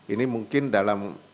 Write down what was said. ini mungkin dalam